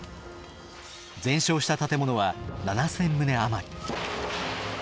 全焼した建物は７，０００棟余り。